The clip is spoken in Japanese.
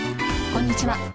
こんにちは。